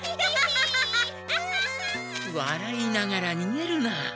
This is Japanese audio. わらいながらにげるな。